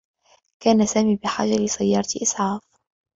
كان سامي بحاجة لسيّارة إسعاف.